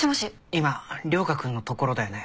今涼牙くんのところだよね。